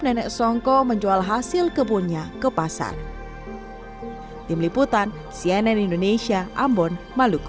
nenek songko menjual hasil kebunnya ke pasar tim liputan cnn indonesia ambon maluku